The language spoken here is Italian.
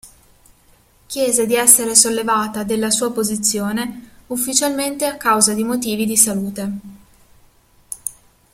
Chiese di essere sollevata della sua posizione, ufficialmente a causa di motivi di salute.